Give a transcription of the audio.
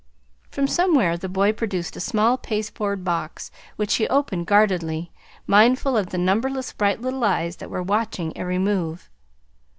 From somewhere the boy produced a small pasteboard box which he opened guardedly, mindful of the numberless bright little eyes that were watching every move.